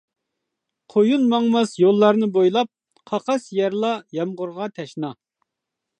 قۇيۇن ماڭماس يوللارنى بويلاپ، قاقاس يەرلا يامغۇرغا تەشنا.